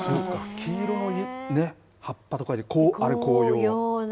黄色の葉っぱと書いて、こうよう。